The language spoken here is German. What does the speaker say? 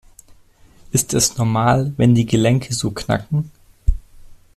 Ist es normal, wenn die Gelenke so knacken?